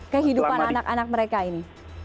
kehidupan anak anak mereka ini